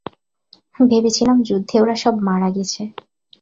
ভেবেছিলাম, যুদ্ধে ওরা সব মারা গেছে!